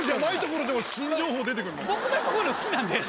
僕もやっぱこういうの好きなんで。